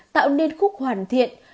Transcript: tạo nên khúc hoàn thiện